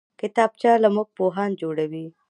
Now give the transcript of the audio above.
کتابچه له موږ پوهان جوړوي